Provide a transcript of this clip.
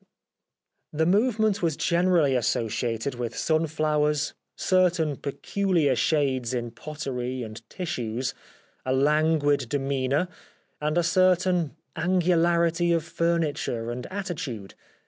... The movement was generally associated with sun flowers, certain peculiar shades in pottery and tissues, a languid demeanour, and a certain angularity of furniture and attitude.